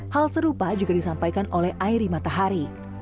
hal serupa juga disampaikan oleh airi matahari